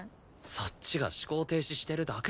そっちが思考停止してるだけだろ。